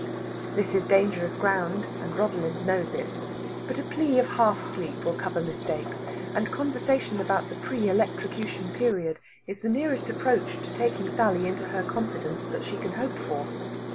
This is dangerous ground, and Rosalind knows it. But a plea of half sleep will cover mistakes, and conversation about the pre electrocution period is the nearest approach to taking Sally into her confidence that she can hope for.